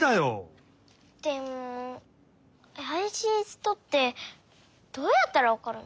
でもあやしい人ってどうやったらわかるの？